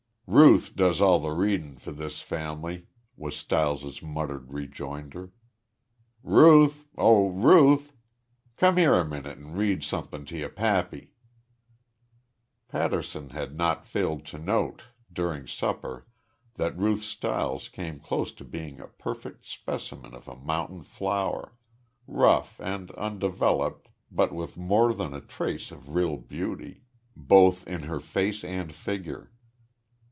"Ruth does all th' reading for this fam'ly," was Stiles's muttered rejoinder. "Ruth! Oh, Ruth! Come here a minute an' read somethin' to yo' pappy!" Patterson had not failed to note, during supper, that Ruth Stiles came close to being a perfect specimen of a mountain flower, rough and undeveloped, but with more than a trace of real beauty, both in her face and figure.